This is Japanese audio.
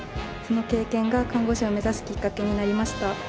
その経験が看護師を目指すきっかけになりました。